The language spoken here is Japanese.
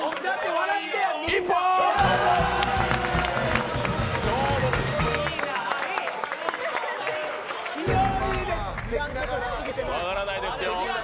笑わないですよ。